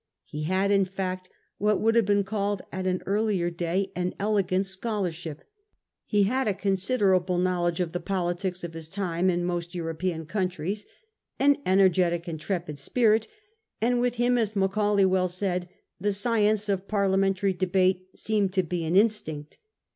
He had, in fact, what would have been called at an earlier day an elegant scholar ship ; he had a considerable knowledge of the politics of his time in most European countries, an energetic intrepid spirit, and with him, as Macaulay well said, the science of Parliamentary debate seemed to be an instinct.